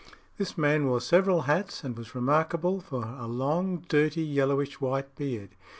This man wore several hats, and was remarkable for a long, dirty, yellowish white beard.